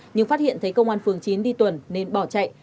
nhưng phát hiện thấy công an phường chín đi tuần nên bỏ chạy